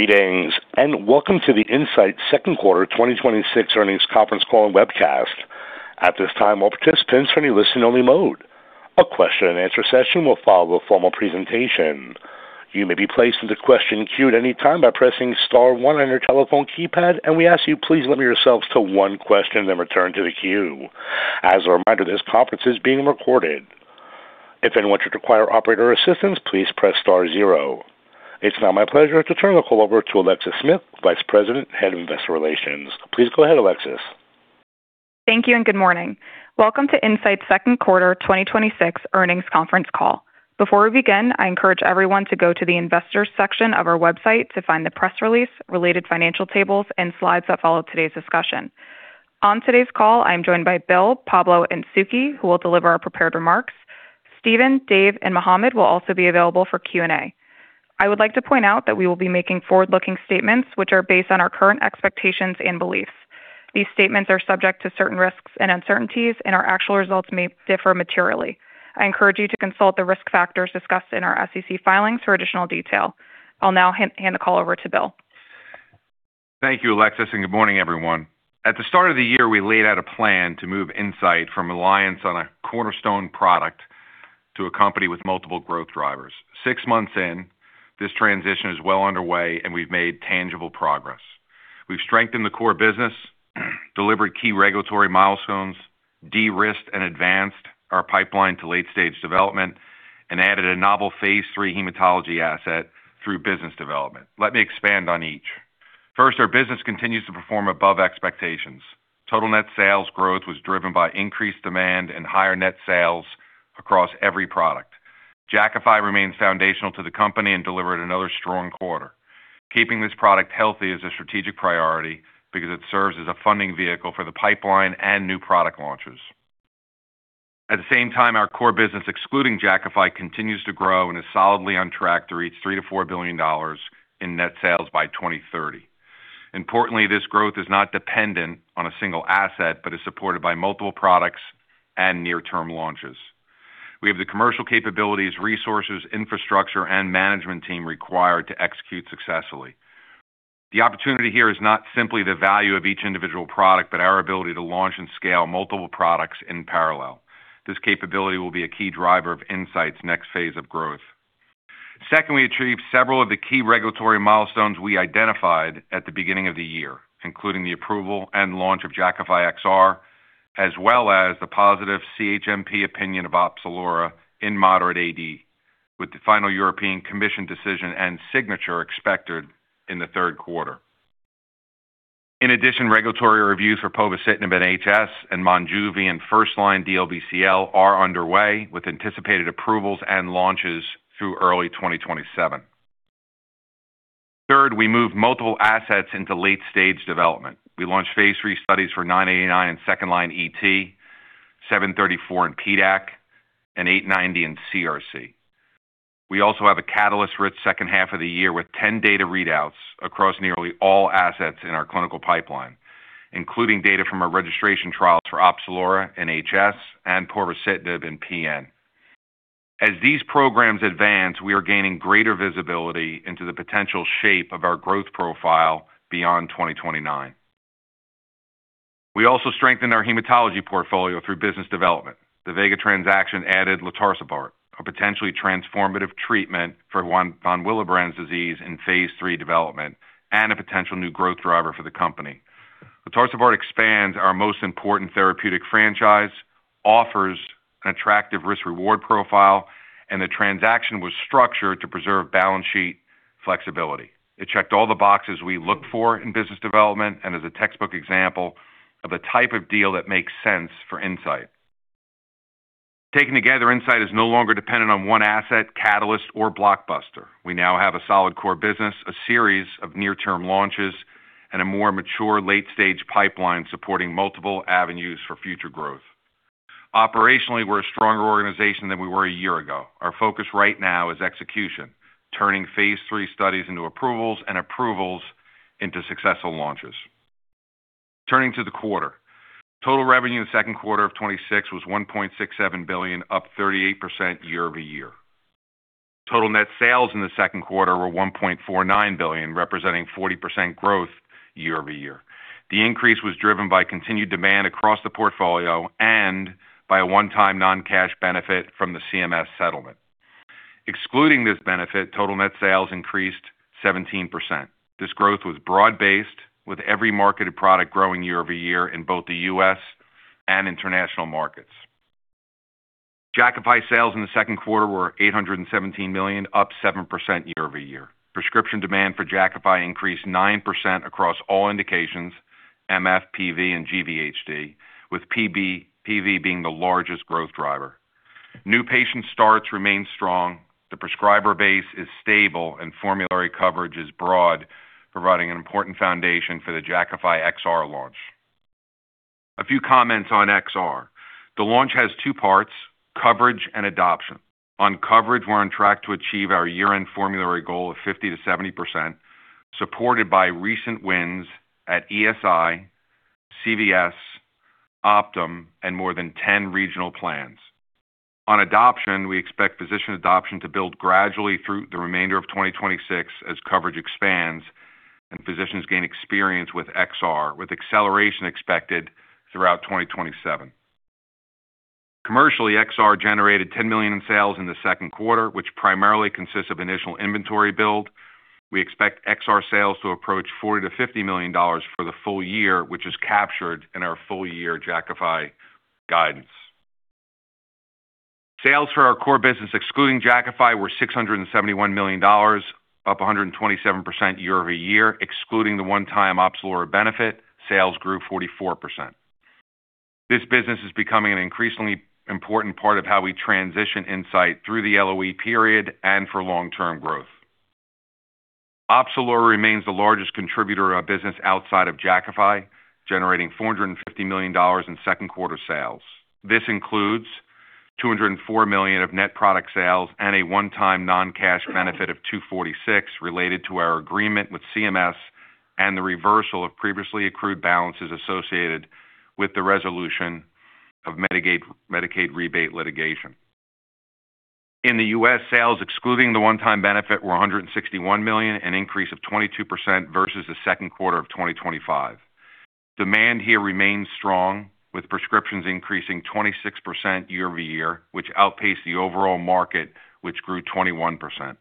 Good evening, welcome to the Incyte Second Quarter 2026 Earnings Conference Call Webcast. At this time, all participants are in listen-only mode. A question and answer session will follow the formal presentation. You may be placed into question queue at any time by pressing star one on your telephone keypad. We ask you please limit yourselves to one question, then return to the queue. As a reminder, this conference is being recorded. If anyone should require operator assistance, please press star zero. It's now my pleasure to turn the call over to Alexis Smith, Vice President, Head of Investor Relations. Please go ahead, Alexis. Thank you. Good morning. Welcome to Incyte's second quarter 2026 earnings conference call. Before we begin, I encourage everyone to go to the Investors section of our website to find the press release, related financial tables, and slides that follow today's discussion. On today's call, I am joined by Bill, Pablo, and Suky, who will deliver our prepared remarks. Steven, Dave, and Mohamed will also be available for Q&A. I would like to point out that we will be making forward-looking statements, which are based on our current expectations and beliefs. These statements are subject to certain risks and uncertainties. Our actual results may differ materially. I encourage you to consult the risk factors discussed in our SEC filings for additional detail. I'll now hand the call over to Bill. Thank you, Alexis. Good morning, everyone. At the start of the year, we laid out a plan to move Incyte from reliance on a cornerstone product to a company with multiple growth drivers. Six months in, this transition is well underway. We've made tangible progress. We've strengthened the core business, delivered key regulatory milestones, de-risked and advanced our pipeline to late-stage development. We added a novel phase III hematology asset through business development. Let me expand on each. First, our business continues to perform above expectations. Total net sales growth was driven by increased demand and higher net sales across every product. Jakafi remains foundational to the company and delivered another strong quarter. Keeping this product healthy is a strategic priority because it serves as a funding vehicle for the pipeline and new product launches. At the same time, our core business, excluding Jakafi, continues to grow and is solidly on track to reach $3 billion-$4 billion in net sales by 2030. Importantly, this growth is not dependent on a single asset but is supported by multiple products and near-term launches. We have the commercial capabilities, resources, infrastructure, and management team required to execute successfully. The opportunity here is not simply the value of each individual product, but our ability to launch and scale multiple products in parallel. This capability will be a key driver of Incyte's next phase of growth. Second, we achieved several of the key regulatory milestones we identified at the beginning of the year, including the approval and launch of Jakafi XR, as well as the positive CHMP opinion of Opzelura in moderate AD, with the final European Commission decision and signature expected in the third quarter. In addition, regulatory reviews for povorcitinib in HS and MONJUVI in first-line DLBCL are underway, with anticipated approvals and launches through early 2027. Third, we moved multiple assets into late-stage development. We launched phase III studies for INCA033989 in second-line ET, INCB161734 in PDAC, and INCA33890 in CRC. We also have a catalyst-rich second half of the year with 10 data readouts across nearly all assets in our clinical pipeline, including data from our registration trials for Opzelura in HS and povorcitinib in PN. As these programs advance, we are gaining greater visibility into the potential shape of our growth profile beyond 2029. We also strengthened our hematology portfolio through business development. The Vega Therapeutics transaction added latarcibart, a potentially transformative treatment for von Willebrand disease in phase III development and a potential new growth driver for the company. latarcibart expands our most important therapeutic franchise, offers an attractive risk-reward profile, and the transaction was structured to preserve balance sheet flexibility. It checked all the boxes we looked for in business development and is a textbook example of the type of deal that makes sense for Incyte. Taken together, Incyte is no longer dependent on one asset, catalyst, or blockbuster. We now have a solid core business, a series of near-term launches, and a more mature late-stage pipeline supporting multiple avenues for future growth. Operationally, we're a stronger organization than we were a year ago. Our focus right now is execution, turning phase III studies into approvals and approvals into successful launches. Turning to the quarter. Total revenue in the second quarter of 2026 was $1.67 billion, up 38% year-over-year. Total net sales in the second quarter were $1.49 billion, representing 40% growth year-over-year. The increase was driven by continued demand across the portfolio and by a one-time non-cash benefit from the CMS settlement. Excluding this benefit, total net sales increased 17%. This growth was broad-based, with every marketed product growing year-over-year in both the U.S. and international markets. Jakafi sales in the second quarter were $817 million, up 7% year-over-year. Prescription demand for Jakafi increased 9% across all indications, MF, PV, and GVHD, with PV being the largest growth driver. New patient starts remain strong. The prescriber base is stable, and formulary coverage is broad, providing an important foundation for the Jakafi XR launch. A few comments on XR. The launch has two parts, coverage and adoption. On coverage, we're on track to achieve our year-end formulary goal of 50%-70%, supported by recent wins at ESI, CVS Health, Optum, and more than 10 regional plans. On adoption, we expect physician adoption to build gradually through the remainder of 2026 as coverage expands and physicians gain experience with XR, with acceleration expected throughout 2027. Commercially, XR generated $10 million in sales in the second quarter, which primarily consists of initial inventory build. We expect XR sales to approach $40 million-$50 million for the full year, which is captured in our full-year Jakafi guidance. Sales for our core business, excluding Jakafi, were $671 million, up 127% year-over-year. Excluding the one-time Opzelura benefit, sales grew 44%. This business is becoming an increasingly important part of how we transition Incyte through the LOE period and for long-term growth. Opzelura remains the largest contributor of business outside of Jakafi, generating $450 million in second quarter sales. This includes $204 million of net product sales and a one-time non-cash benefit of $246 million related to our agreement with CMS and the reversal of previously accrued balances associated with the resolution of Medicaid rebate litigation. In the U.S., sales excluding the one-time benefit were $161 million, an increase of 22% versus the second quarter of 2025. Demand here remains strong, with prescriptions increasing 26% year-over-year, which outpaced the overall market, which grew 21%.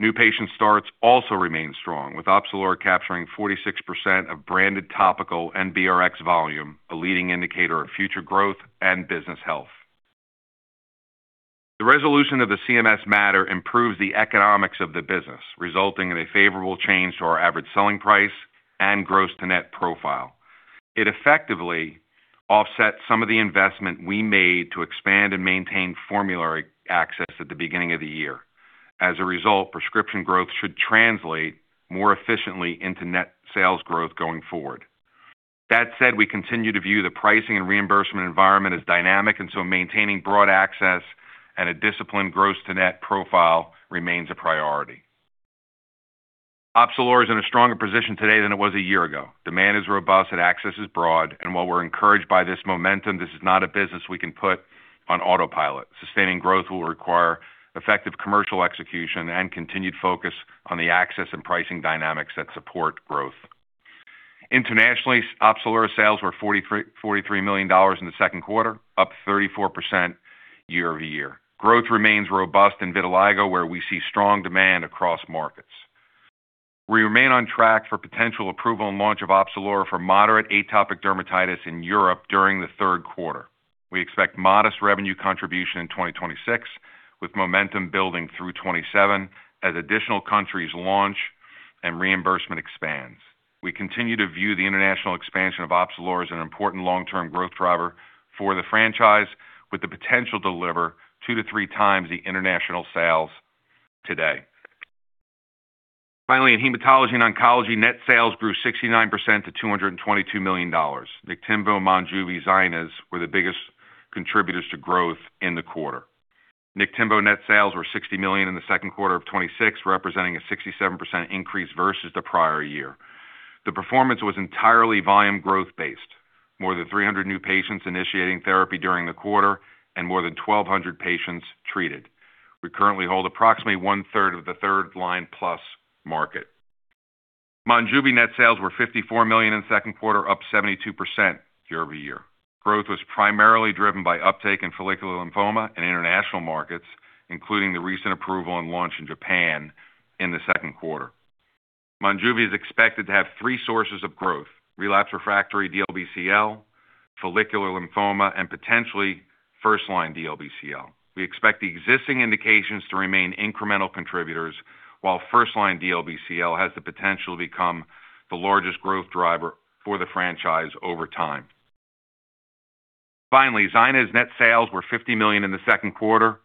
New patient starts also remain strong, with Opzelura capturing 46% of branded topical NBRx volume, a leading indicator of future growth and business health. The resolution of the CMS matter improves the economics of the business, resulting in a favorable change to our average selling price and gross-to-net profile. It effectively offsets some of the investment we made to expand and maintain formulary access at the beginning of the year. As a result, prescription growth should translate more efficiently into net sales growth going forward. That said, we continue to view the pricing and reimbursement environment as dynamic, so maintaining broad access and a disciplined gross-to-net profile remains a priority. Opzelura is in a stronger position today than it was a year ago. Demand is robust, and access is broad, and while we're encouraged by this momentum, this is not a business we can put on autopilot. Sustaining growth will require effective commercial execution and continued focus on the access and pricing dynamics that support growth. Internationally, Opzelura sales were $43 million in the second quarter, up 34% year-over-year. Growth remains robust in vitiligo, where we see strong demand across markets. We remain on track for potential approval and launch of Opzelura for moderate atopic dermatitis in Europe during the third quarter. We expect modest revenue contribution in 2026, with momentum building through 2027 as additional countries launch and reimbursement expands. We continue to view the international expansion of Opzelura as an important long-term growth driver for the franchise, with the potential to deliver 2x to 3x the international sales today. Finally, in hematology and oncology, net sales grew 69% to $222 million. Niktimvo, MONJUVI, ZYNYZ were the biggest contributors to growth in the quarter. Niktimvo net sales were $60 million in the second quarter of 2026, representing a 67% increase versus the prior year. The performance was entirely volume growth-based. More than 300 new patients initiating therapy during the quarter and more than 1,200 patients treated. We currently hold approximately one-third of the third-line plus market. MONJUVI net sales were $54 million in second quarter, up 72% year-over-year. Growth was primarily driven by uptake in follicular lymphoma in international markets, including the recent approval and launch in Japan in the second quarter. MONJUVI is expected to have three sources of growth, relapse refractory DLBCL, follicular lymphoma, and potentially first-line DLBCL. We expect the existing indications to remain incremental contributors, while first-line DLBCL has the potential to become the largest growth driver for the franchise over time. Finally, ZYNYZ net sales were $50 million in the second quarter,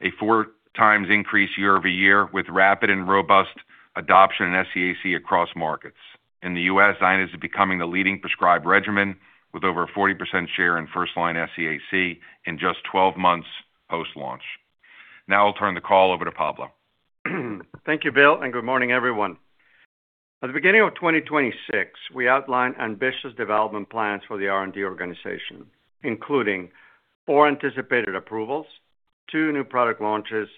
a 4x increase year-over-year, with rapid and robust adoption in SCAC across markets. In the U.S., ZYNYZ is becoming the leading prescribed regimen with over a 40% share in first-line SCAC in just 12 months post-launch. Now I'll turn the call over to Pablo. Thank you, Bill. Good morning, everyone. At the beginning of 2026, we outlined ambitious development plans for the R&D organization, including four anticipated approvals, two new product launches,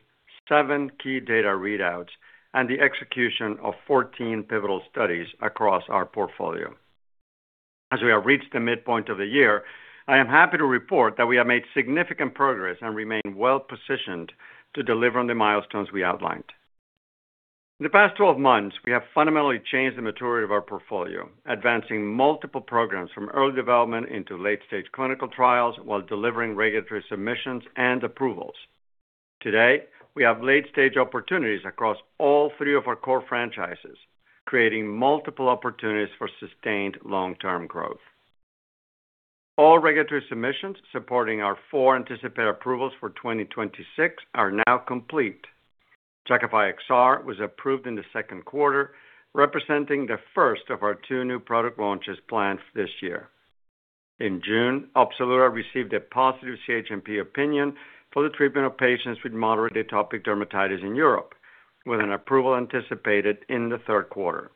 seven key data readouts, and the execution of 14 pivotal studies across our portfolio. As we have reached the midpoint of the year, I am happy to report that we have made significant progress and remain well-positioned to deliver on the milestones we outlined. In the past 12 months, we have fundamentally changed the maturity of our portfolio, advancing multiple programs from early development into late-stage clinical trials while delivering regulatory submissions and approvals. Today, we have late-stage opportunities across all three of our core franchises, creating multiple opportunities for sustained long-term growth. All regulatory submissions supporting our four anticipated approvals for 2026 are now complete. Jakafi XR was approved in the second quarter, representing the first of our two new product launches planned this year. In June, Opzelura received a positive CHMP opinion for the treatment of patients with moderate atopic dermatitis in Europe, with an approval anticipated in the third quarter.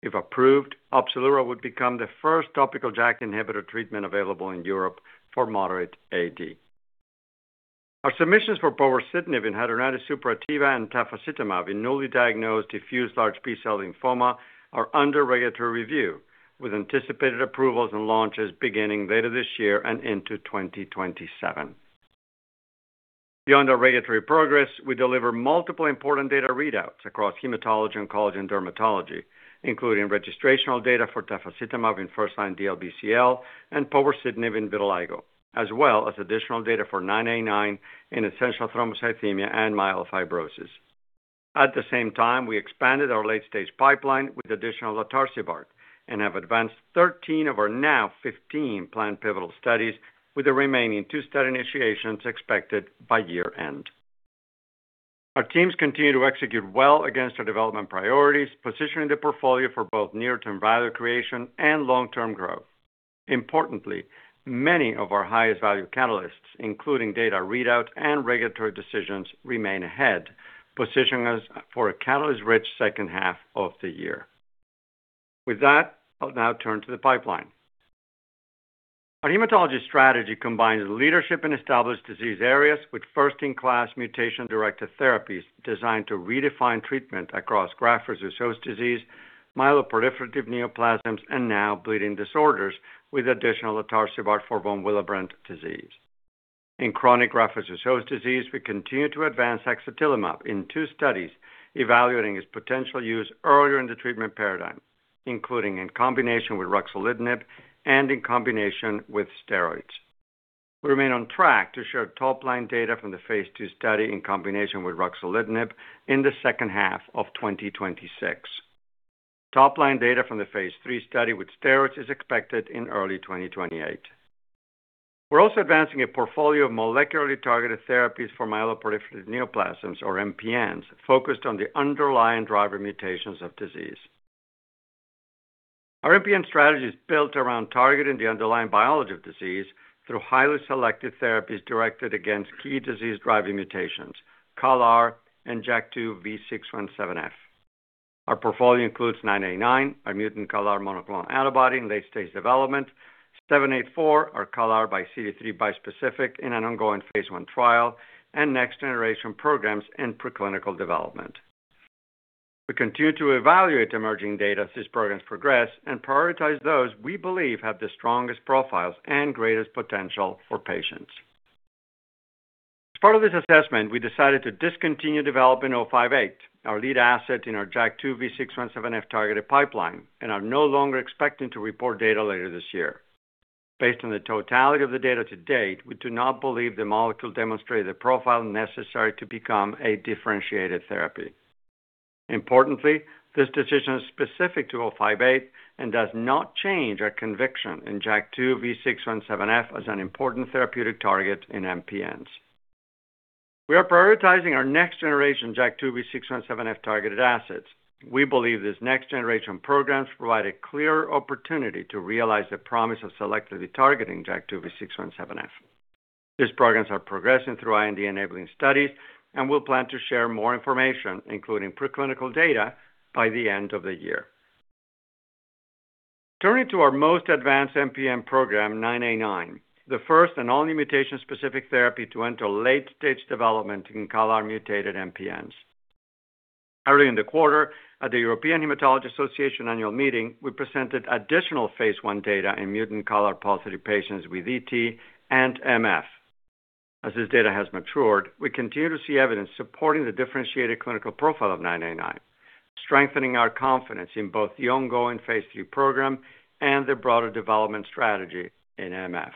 If approved, Opzelura would become the first topical JAK inhibitor treatment available in Europe for moderate AD. Our submissions for povorcitinib in hidradenitis suppurativa and tafasitamab in newly diagnosed diffuse large B-cell lymphoma are under regulatory review, with anticipated approvals and launches beginning later this year and into 2027. Beyond our regulatory progress, we delivered multiple important data readouts across hematology, oncology, and dermatology, including registrational data for tafasitamab in first-line DLBCL and povorcitinib in vitiligo, as well as additional data for INCA033989 in essential thrombocythemia and myelofibrosis. At the same time, we expanded our late-stage pipeline with additional latarcibart and have advanced 13 of our now 15 planned pivotal studies, with the remaining two study initiations expected by year-end. Our teams continue to execute well against our development priorities, positioning the portfolio for both near-term value creation and long-term growth. Importantly, many of our highest value catalysts, including data readouts and regulatory decisions, remain ahead, positioning us for a catalyst-rich second half of the year. With that, I'll now turn to the pipeline. Our hematology strategy combines leadership in established disease areas with first-in-class mutation-directed therapies designed to redefine treatment across graft-versus-host disease, myeloproliferative neoplasms, and now bleeding disorders, with additional latarcibart for von Willebrand disease. In chronic graft-versus-host disease, we continue to advance axatilimab in two studies evaluating its potential use earlier in the treatment paradigm, including in combination with ruxolitinib and in combination with steroids. We remain on track to share top-line data from the phase II study in combination with ruxolitinib in the second half of 2026. Top-line data from the phase III study with steroids is expected in early 2028. We're also advancing a portfolio of molecularly targeted therapies for myeloproliferative neoplasms, or MPNs, focused on the underlying driver mutations of disease. Our MPN strategy is built around targeting the underlying biology of disease through highly selective therapies directed against key disease-driving mutations, CALR and JAK2 V617F. Our portfolio includes INCA033989, a mutant CALR monoclonal antibody in late-stage development, 784, our CALR by CD3 bispecific in an ongoing phase I trial, and next-generation programs in preclinical development. We continue to evaluate emerging data as these programs progress and prioritize those we believe have the strongest profiles and greatest potential for patients. As part of this assessment, we decided to discontinue developing 058, our lead asset in our JAK2 V617F-targeted pipeline, and are no longer expecting to report data later this year. Based on the totality of the data to date, we do not believe the molecule demonstrated the profile necessary to become a differentiated therapy. Importantly, this decision is specific to 058 and does not change our conviction in JAK2 V617F as an important therapeutic target in MPNs. We are prioritizing our next-generation JAK2 V617F-targeted assets. We believe these next-generation programs provide a clear opportunity to realize the promise of selectively targeting JAK2 V617F. These programs are progressing through IND-enabling studies, and we'll plan to share more information, including preclinical data, by the end of the year. Turning to our most advanced MPN program, INCA033989, the first and only mutation-specific therapy to enter late-stage development in CALR-mutated MPNs. Early in the quarter, at the European Hematology Association annual meeting, we presented additional phase I data in mutant CALR-positive patients with ET and MF. As this data has matured, we continue to see evidence supporting the differentiated clinical profile of 989, strengthening our confidence in both the ongoing phase III program and the broader development strategy in MF.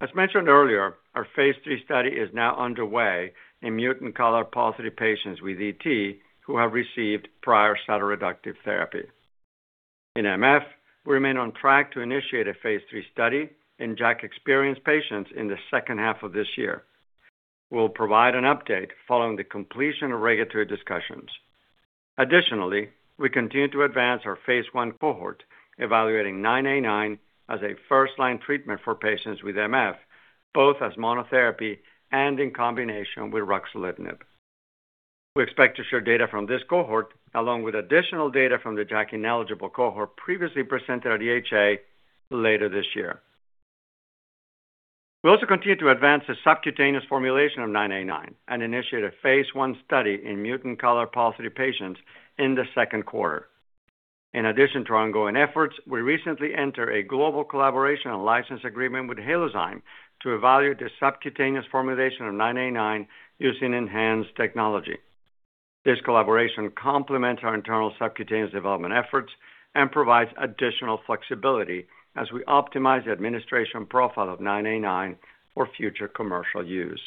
As mentioned earlier, our phase III study is now underway in mutant CALR-positive patients with ET who have received prior cytoreductive therapy. In MF, we remain on track to initiate a phase III study in JAK-experienced patients in the second half of this year. We'll provide an update following the completion of regulatory discussions. Additionally, we continue to advance our phase I cohort, evaluating INCA033989, as a first-line treatment for patients with MF, both as monotherapy and in combination with ruxolitinib. We expect to share data from this cohort, along with additional data from the JAK-ineligible cohort previously presented at EHA later this year. We also continue to advance the subcutaneous formulation of INCA033989, and initiate a phase I study in mutant CALR-positive patients in the second quarter. In addition to our ongoing efforts, we recently entered a global collaboration and license agreement with Halozyme to evaluate the subcutaneous formulation of INCA033989, using enhanced technology. This collaboration complements our internal subcutaneous development efforts and provides additional flexibility as we optimize the administration profile of INCA033989, for future commercial use.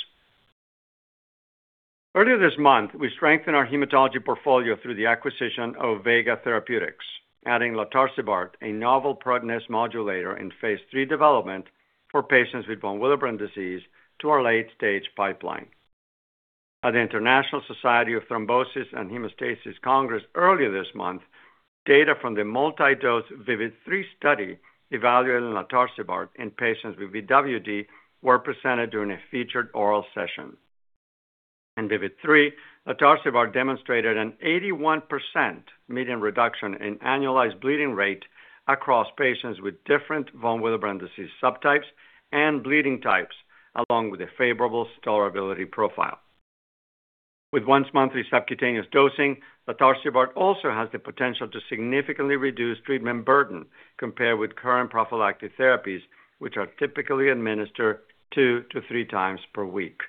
Earlier this month, we strengthened our hematology portfolio through the acquisition of Vega Therapeutics, adding latarcibart, a novel protein S modulator in phase III development for patients with von Willebrand disease, to our late-stage pipeline. At the International Society on Thrombosis and Haemostasis Congress earlier this month, data from the multi-dose VIVID-3 study evaluating latarcibart in patients with VWD were presented during a featured oral session. In VIVID-3, latarcibart demonstrated an 81% median reduction in annualized bleeding rate across patients with different von Willebrand disease subtypes and bleeding types, along with a favorable tolerability profile. With once-monthly subcutaneous dosing, latarcibart also has the potential to significantly reduce treatment burden compared with current prophylactic therapies, which are typically administered 2x to 3x per week.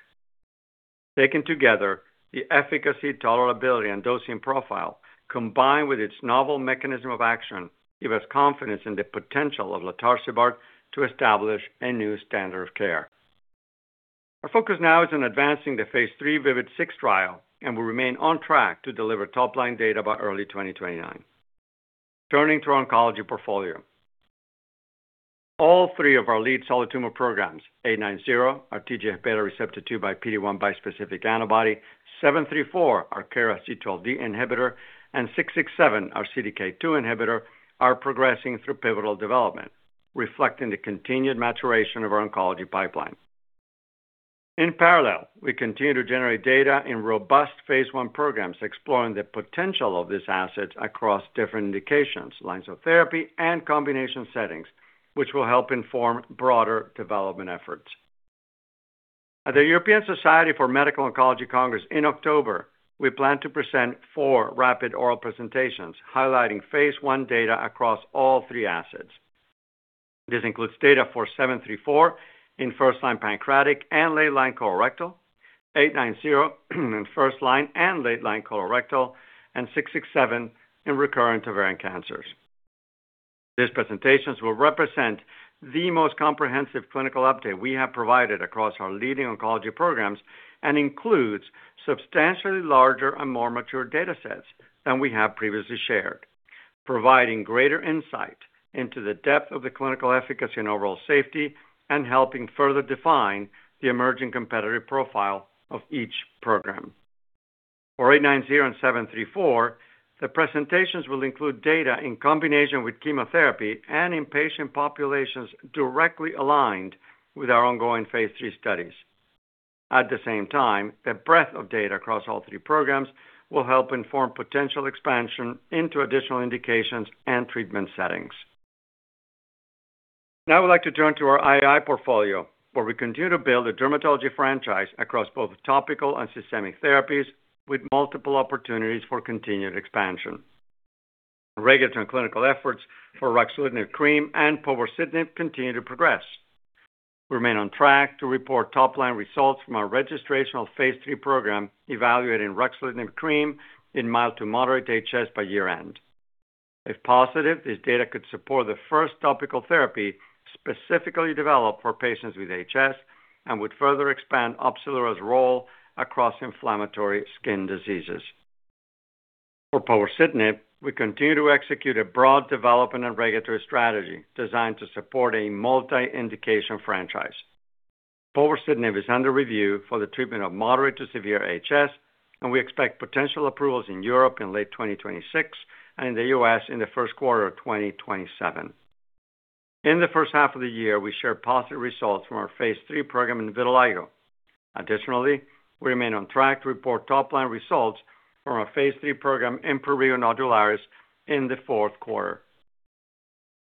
Taken together, the efficacy, tolerability, and dosing profile, combined with its novel mechanism of action, give us confidence in the potential of latarcibart to establish a new standard of care. Our focus now is on advancing the phase III VIVID-6 trial, and we remain on track to deliver top-line data by early 2029. Turning to our oncology portfolio. All three of our lead solid tumor programs, INCA33890, our TGFβR2 by PD-1 bispecific antibody, 734, our KRAS G12D inhibitor, and 667, our CDK2 inhibitor, are progressing through pivotal development, reflecting the continued maturation of our oncology pipeline. In parallel, we continue to generate data in robust phase I programs, exploring the potential of these assets across different indications, lines of therapy, and combination settings, which will help inform broader development efforts. At the European Society for Medical Oncology Congress in October, we plan to present four rapid oral presentations highlighting phase I data across all three assets. This includes data for 734 in first-line pancreatic and late-line colorectal, INCA33890 in first-line and late-line colorectal, and 667 in recurrent ovarian cancers. These presentations will represent the most comprehensive clinical update we have provided across our leading oncology programs and includes substantially larger and more mature datasets than we have previously shared, providing greater insight into the depth of the clinical efficacy and overall safety, and helping further define the emerging competitive profile of each program. For INCA33890 and 734, the presentations will include data in combination with chemotherapy and in patient populations directly aligned with our ongoing phase III studies. At the same time, the breadth of data across all three programs will help inform potential expansion into additional indications and treatment settings. Now I'd like to turn to our I&I portfolio, where we continue to build a dermatology franchise across both topical and systemic therapies with multiple opportunities for continued expansion. Regulatory and clinical efforts for ruxolitinib cream and povorcitinib continue to progress. We remain on track to report top-line results from our registrational phase III program evaluating ruxolitinib cream in mild to moderate HS by year-end. If positive, this data could support the first topical therapy specifically developed for patients with HS and would further expand Opzelura's role across inflammatory skin diseases. For povorcitinib, we continue to execute a broad development and regulatory strategy designed to support a multi-indication franchise. Povorcitinib is under review for the treatment of moderate to severe HS, and we expect potential approvals in Europe in late 2026 and in the U.S. in the first quarter of 2027. In the first half of the year, we shared positive results from our phase III program in vitiligo. Additionally, we remain on track to report top-line results from our phase III program in prurigo nodularis in the fourth quarter.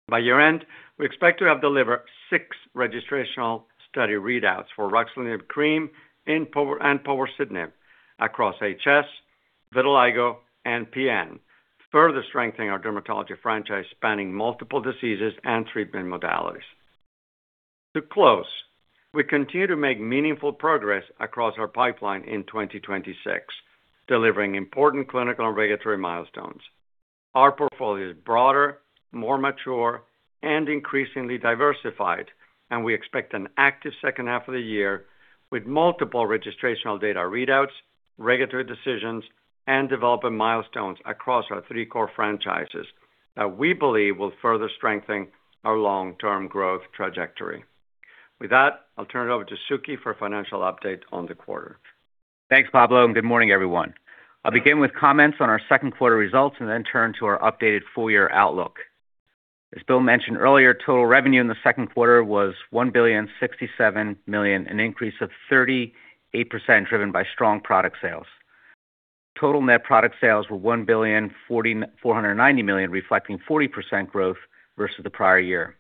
By year-end, we expect to have delivered six registrational study readouts for ruxolitinib cream and povorcitinib across HS, vitiligo, and PN, further strengthening our dermatology franchise spanning multiple diseases and treatment modalities. To close, we continue to make meaningful progress across our pipeline in 2026, delivering important clinical and regulatory milestones. Our portfolio is broader, more mature, and increasingly diversified, and we expect an active second half of the year with multiple registrational data readouts, regulatory decisions, and development milestones across our three core franchises that we believe will further strengthen our long-term growth trajectory. With that, I'll turn it over to Suky for a financial update on the quarter. Thanks, Pablo, good morning, everyone. I'll begin with comments on our second quarter results and then turn to our updated full-year outlook. As Bill mentioned earlier, total revenue in the second quarter was $1,067,000,000, an increase of 38% driven by strong product sales. Total net product sales were $1.49 billion, reflecting 40% growth versus the prior year.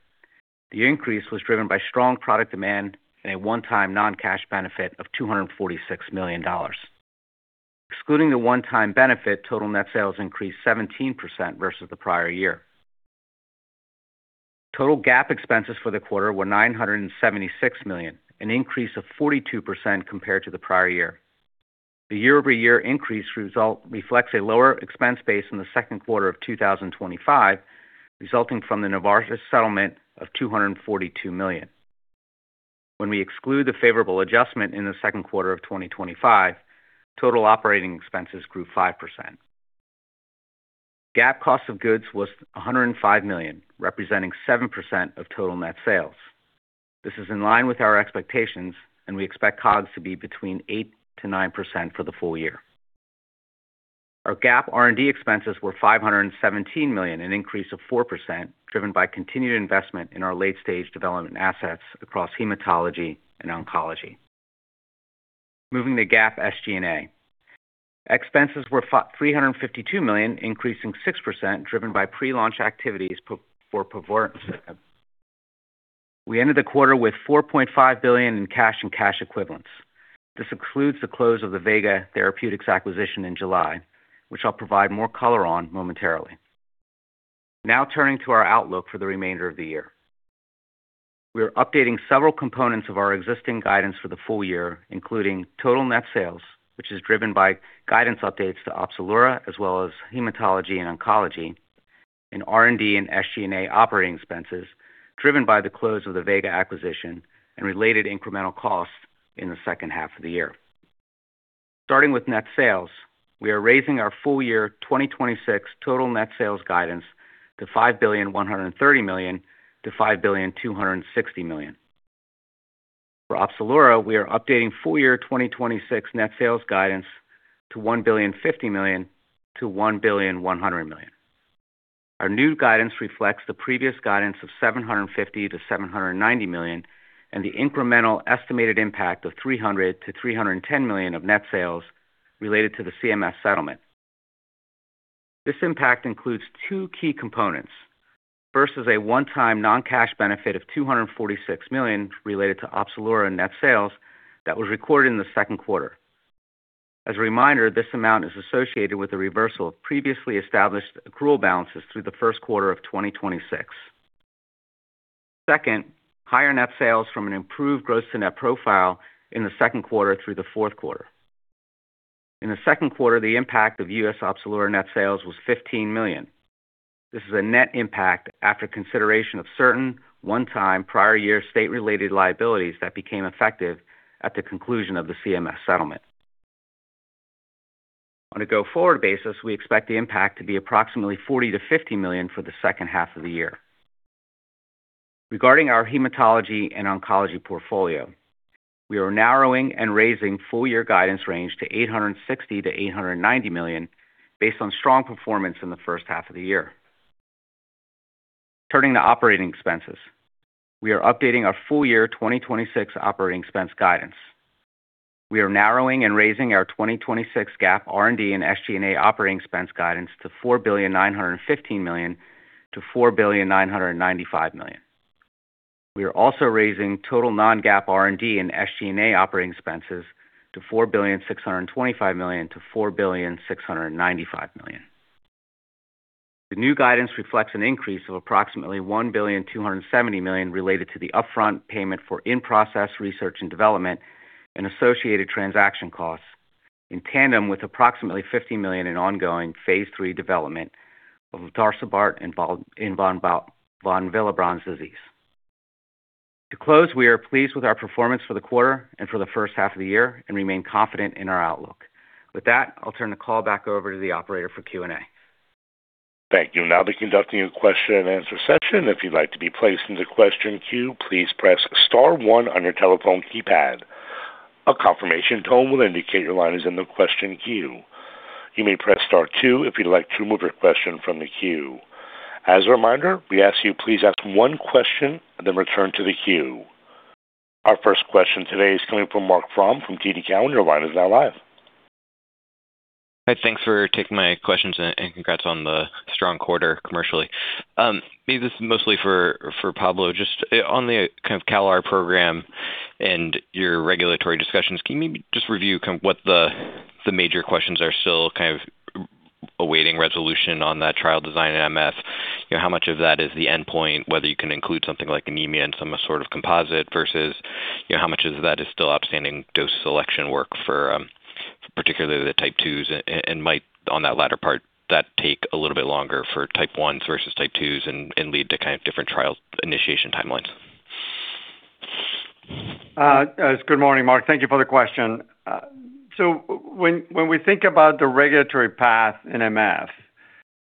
The increase was driven by strong product demand and a one-time non-cash benefit of $246 million. Excluding the one-time benefit, total net sales increased 17% versus the prior year. Total GAAP expenses for the quarter were $976 million, an increase of 42% compared to the prior year. The year-over-year increase reflects a lower expense base in the second quarter of 2025, resulting from the Novartis settlement of $242 million. When we exclude the favorable adjustment in the second quarter of 2025, total operating expenses grew 5%. GAAP cost of goods was $105 million, representing 7% of total net sales. This is in line with our expectations, and we expect COGS to be between 8%-9% for the full year. Our GAAP R&D expenses were $517 million, an increase of 4%, driven by continued investment in our late-stage development assets across hematology and oncology. Moving to GAAP SG&A. Expenses were $352 million, increasing 6%, driven by pre-launch activities for povorcitinib. We ended the quarter with $4.5 billion in cash and cash equivalents. This includes the close of the Vega Therapeutics acquisition in July, which I'll provide more color on momentarily. Turning to our outlook for the remainder of the year. We are updating several components of our existing guidance for the full year, including total net sales, which is driven by guidance updates to Opzelura as well as hematology and oncology, and R&D and SG&A operating expenses driven by the close of the Vega acquisition and related incremental costs in the second half of the year. Starting with net sales, we are raising our full-year 2026 total net sales guidance to $5.13 billion-$5.26 billion. For Opzelura, we are updating full-year 2026 net sales guidance to $1.05 billion-$1.10 billion. Our new guidance reflects the previous guidance of $750 million-$790 million and the incremental estimated impact of $300 million-$310 million of net sales related to the CMS settlement. This impact includes two key components. First is a one-time non-cash benefit of $246 million related to Opzelura net sales that was recorded in the second quarter. As a reminder, this amount is associated with the reversal of previously established accrual balances through the first quarter of 2026. Second, higher net sales from an improved gross to net profile in the second quarter through the fourth quarter. In the second quarter, the impact of U.S. Opzelura net sales was $15 million. This is a net impact after consideration of certain one-time prior year state-related liabilities that became effective at the conclusion of the CMS settlement. On a go-forward basis, we expect the impact to be approximately $40 million-$50 million for the second half of the year. Regarding our hematology and oncology portfolio, we are narrowing and raising full-year guidance range to $860 million-$890 million based on strong performance in the first half of the year. Turning to operating expenses. We are updating our full year 2026 operating expense guidance. We are narrowing and raising our 2026 GAAP R&D and SG&A operating expense guidance to $4.915 billion-$4.995 billion. We are also raising total non-GAAP R&D and SG&A operating expenses to $4.625 billion-$4.695 billion. The new guidance reflects an increase of approximately $1.27 billion related to the upfront payment for in-process research and development and associated transaction costs in tandem with approximately $50 million in ongoing phase III development of latarcibart in von Willebrand disease. To close, we are pleased with our performance for the quarter and for the first half of the year and remain confident in our outlook. With that, I'll turn the call back over to the operator for Q&A. Thank you. We'll now be conducting a question and answer session. If you'd like to be placed in the question queue, please press star one on your telephone keypad. A confirmation tone will indicate your line is in the question queue. You may press star two if you'd like to remove your question from the queue. As a reminder, we ask you please ask one question and then return to the queue. Our first question today is coming from Marc Frahm from TD Cowen. Your line is now live. Hi. Thanks for taking my questions. Congrats on the strong quarter commercially. Maybe this is mostly for Pablo. Just on the kind of CALR program and your regulatory discussions, can you maybe just review what the major questions are still kind of awaiting resolution on that trial design in MF? How much of that is the endpoint, whether you can include something like anemia and some sort of composite versus how much of that is still outstanding dose selection work for particularly the type 2s and might on that latter part that take a little bit longer for type 1s versus type 2s and lead to kind of different trial initiation timelines? Good morning, Marc. Thank you for the question. When we think about the regulatory path in MF,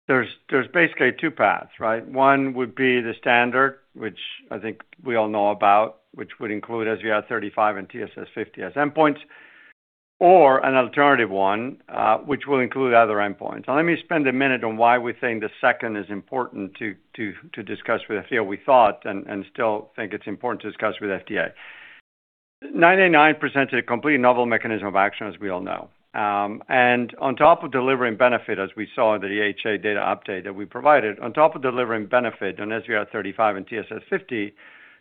there's basically two paths, right? One would be the standard, which I think we all know about, which would include SVR35 and TSS50 as endpoints, or an alternative one, which will include other endpoints. Let me spend a minute on why we think the second is important to discuss with the FDA. We thought and still think it's important to discuss with FDA. INCA033989 is a completely novel mechanism of action, as we all know. On top of delivering benefit, as we saw in the EHA data update that we provided, on top of delivering benefit on SVR35 and TSS50,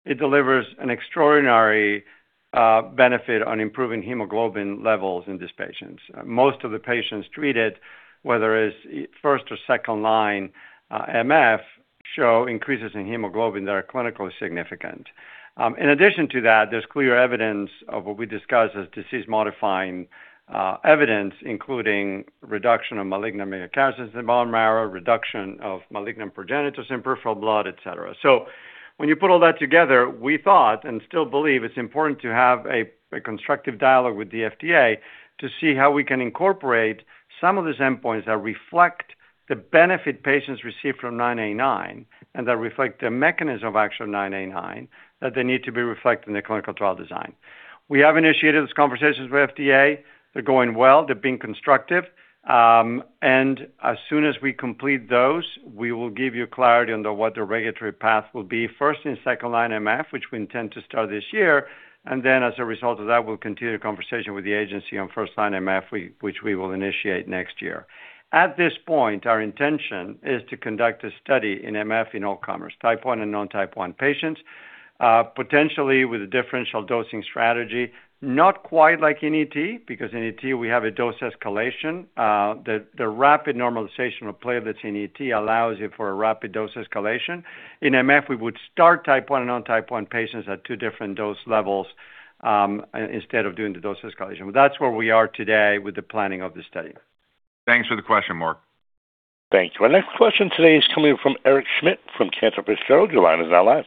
it delivers an extraordinary benefit on improving hemoglobin levels in these patients. Most of the patients treated, whether it is first or second-line MF, show increases in hemoglobin that are clinically significant. In addition to that, there's clear evidence of what we discussed as disease-modifying evidence, including reduction of malignant megakaryocytes in bone marrow, reduction of malignant progenitors in peripheral blood, et cetera. When you put all that together, we thought and still believe it's important to have a constructive dialogue with the FDA to see how we can incorporate some of these endpoints that reflect the benefit patients receive from INCA033989 and that reflect the mechanism of action of INCA033989, that they need to be reflected in the clinical trial design. We have initiated those conversations with the FDA. They're going well. They're being constructive. As soon as we complete those, we will give you clarity on what the regulatory path will be, first in second-line MF, which we intend to start this year. Then as a result of that, we'll continue the conversation with the agency on first-line MF, which we will initiate next year. At this point, our intention is to conduct a study in MF in all comers, type 1 and non-type 1 patients, potentially with a differential dosing strategy, not quite like ET, because ET we have a dose escalation. The rapid normalization of play of the ET allows you for a rapid dose escalation. In MF, we would start type 1 and non-type 1 patients at two different dose levels instead of doing the dose escalation. That's where we are today with the planning of the study. Thanks for the question, Marc. Thank you. Our next question today is coming from Eric Schmidt from Cantor Fitzgerald. Your line is now live.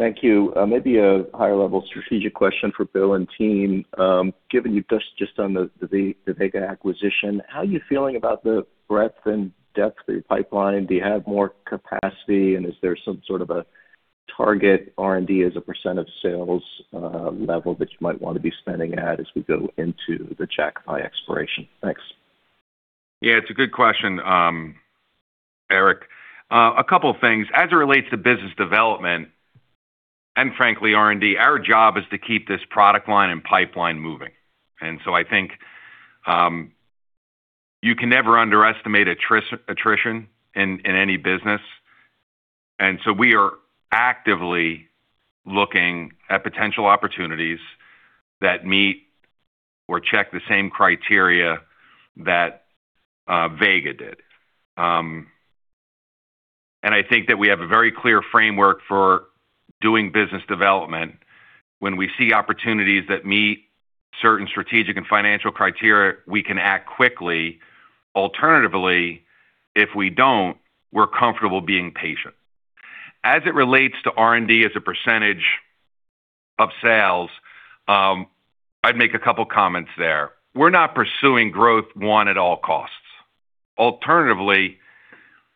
Thank you. Maybe a higher-level strategic question for Bill and team. Given you touched just on the Vega acquisition, how are you feeling about the breadth and depth of your pipeline? Do you have more capacity, and is there some sort of a target R&D as a percentage of sales level that you might want to be spending at as we go into the Jakafi expiration? Thanks. Yeah, it's a good question, Eric. A couple of things. As it relates to business development, and frankly, R&D, our job is to keep this product line and pipeline moving. I think you can never underestimate attrition in any business. We are actively looking at potential opportunities that meet or check the same criteria that Vega did. I think that we have a very clear framework for doing business development. When we see opportunities that meet certain strategic and financial criteria, we can act quickly. Alternatively,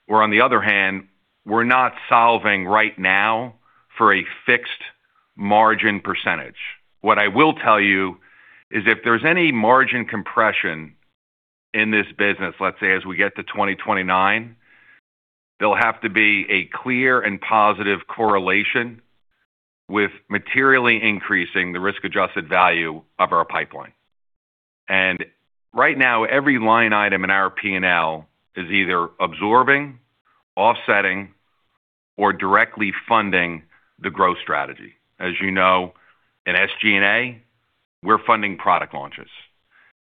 or on the other hand, we're not solving right now for a fixed margin percentage. What I will tell you is if there's any margin compression in this business, let's say, as we get to 2029, there'll have to be a clear and positive correlation with materially increasing the risk-adjusted value of our pipeline. Right now, every line item in our P&L is either absorbing, offsetting, or directly funding the growth strategy. As you know, in SG&A, we're funding product launches.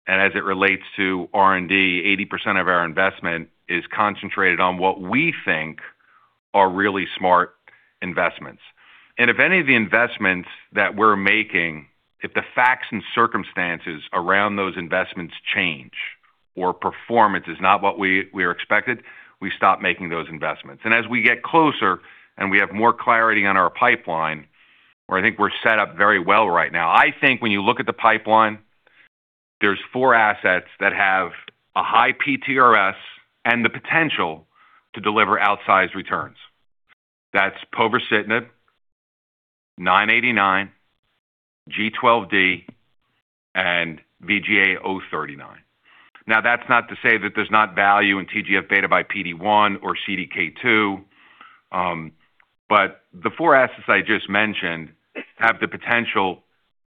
As it relates to R&D, 80% of our investment is concentrated on what we think are really smart investments. If any of the investments that we're making, if the facts and circumstances around those investments change or performance is not what we are expected, we stop making those investments. As we get closer and we have more clarity on our pipeline, where I think we're set up very well right now, I think when you look at the pipeline, there's four assets that have a high PTRS and the potential to deliver outsized returns. That's povorcitinib, INCA033989, G12D, and VGA039. Now, that's not to say that there's not value in TGF-β by PD-1 or CDK2, but the four assets I just mentioned have the potential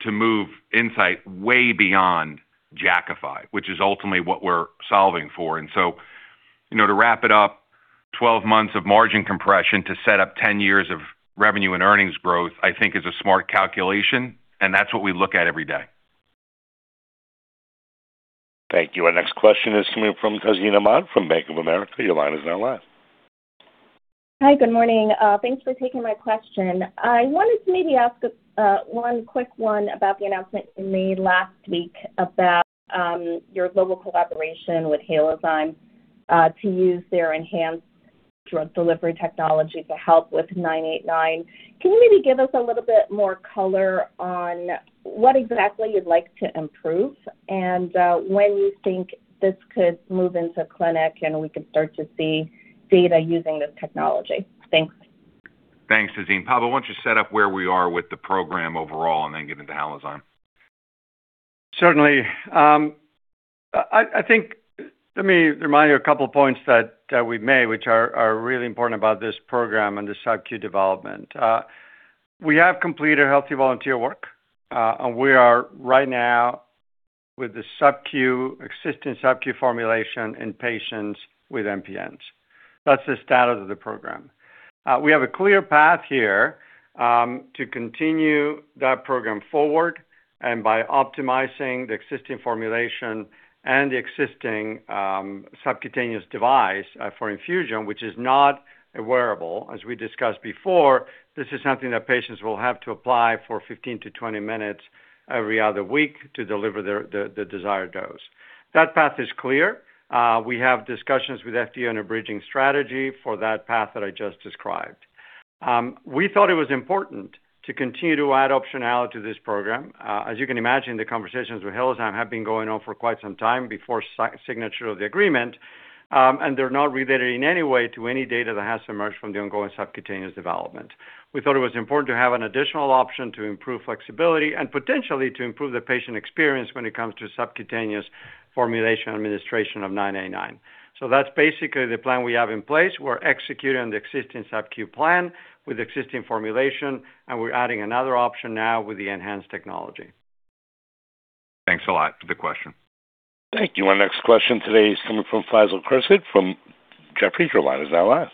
to move Incyte way beyond Jakafi, which is ultimately what we're solving for. To wrap it up, 12 months of margin compression to set up 10 years of revenue and earnings growth, I think is a smart calculation. That's what we look at every day. Thank you. Our next question is coming from Tazeen Ahmad from Bank of America. Your line is now live. Hi, good morning. Thanks for taking my question. I wanted to maybe ask one quick one about the announcement you made last week about your global collaboration with Halozyme to use their enhanced drug delivery technology to help with INCA033989. Can you maybe give us a little bit more color on what exactly you'd like to improve and when you think this could move into clinic and we could start to see data using this technology? Thanks. Thanks, Tazeen. Pablo, why don't you set up where we are with the program overall and then get into Halozyme? Certainly. Let me remind you a couple of points that we made, which are really important about this program and the subQ development. We have completed healthy volunteer work. We are right now with the existing subQ formulation in patients with MPNs. That's the status of the program. We have a clear path here to continue that program forward and by optimizing the existing formulation and the existing subcutaneous device for infusion, which is not a wearable, as we discussed before. This is something that patients will have to apply for 15-20 minutes every other week to deliver the desired dose. That path is clear. We have discussions with FDA on a bridging strategy for that path that I just described. We thought it was important to continue to add optionality to this program. As you can imagine, the conversations with Halozyme have been going on for quite some time before signature of the agreement. They're not related in any way to any data that has emerged from the ongoing subcutaneous development. We thought it was important to have an additional option to improve flexibility and potentially to improve the patient experience when it comes to subcutaneous formulation administration of INCA033989. That's basically the plan we have in place. We're executing the existing subcu plan with existing formulation. We're adding another option now with the enhanced technology. Thanks a lot for the question. Thank you. Our next question today is coming from Faisal Khurshid from Jefferies. Your line is now live.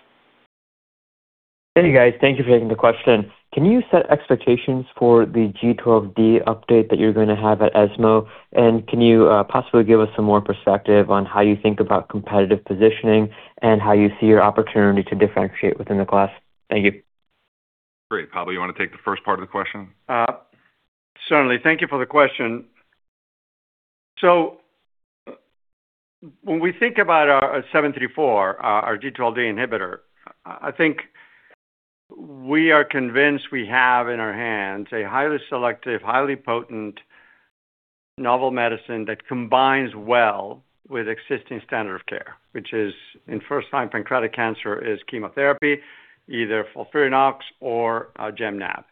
Hey, guys. Thank you for taking the question. Can you set expectations for the G12D update that you're going to have at ESMO? Can you possibly give us some more perspective on how you think about competitive positioning and how you see your opportunity to differentiate within the class? Thank you. Great. Pablo, you want to take the first part of the question? Certainly. Thank you for the question. When we think about our INCB161734, our G12D inhibitor, I think we are convinced we have in our hands a highly selective, highly potent, novel medicine that combines well with existing standard of care, which is in first-time pancreatic cancer is chemotherapy, either FOLFIRINOX or Gem/Nab.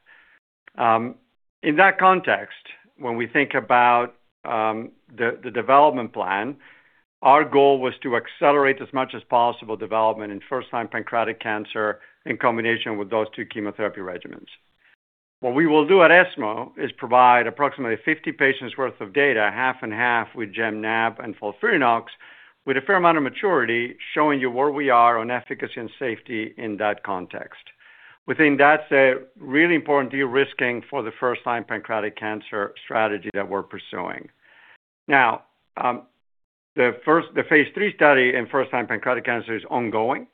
In that context, when we think about the development plan, our goal was to accelerate as much as possible development in first-time pancreatic cancer in combination with those two chemotherapy regimens. What we will do at ESMO is provide approximately 50 patients worth of data, half and half with Gem/Nab and FOLFIRINOX, with a fair amount of maturity, showing you where we are on efficacy and safety in that context. We think that's a really important de-risking for the first-time pancreatic cancer strategy that we're pursuing. The phase III study in first-time pancreatic cancer is ongoing.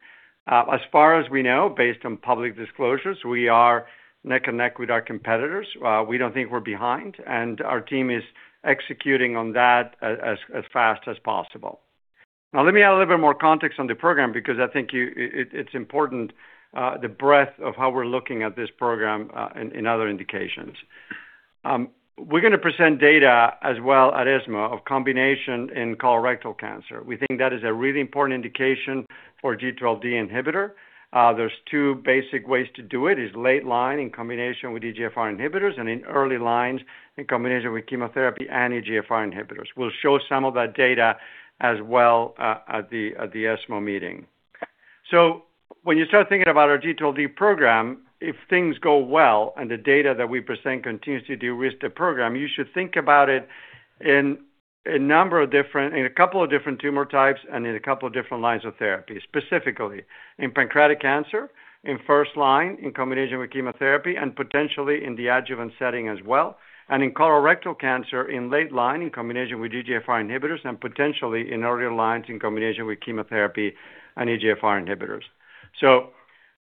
As far as we know, based on public disclosures, we are neck and neck with our competitors. We don't think we're behind, and our team is executing on that as fast as possible. Let me add a little bit more context on the program because I think it's important the breadth of how we're looking at this program in other indications. We're going to present data as well at ESMO of combination in colorectal cancer. We think that is a really important indication for G12D inhibitor. There's two basic ways to do it, is late-line in combination with EGFR inhibitors and in early lines in combination with chemotherapy and EGFR inhibitors. We'll show some of that data as well at the ESMO meeting. When you start thinking about our G12D program, if things go well and the data that we present continues to de-risk the program, you should think about it in a couple of different tumor types and in a couple of different lines of therapy. Specifically, in pancreatic cancer, in first line, in combination with chemotherapy, and potentially in the adjuvant setting as well, and in colorectal cancer, in late line, in combination with EGFR inhibitors, and potentially in earlier lines, in combination with chemotherapy and EGFR inhibitors.